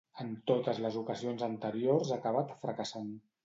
En totes les ocasions anteriors ha acabat fracassant.